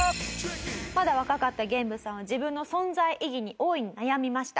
まだ若かったゲンブさんは自分の存在意義に大いに悩みました。